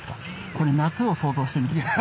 これ夏を想像してみて下さい。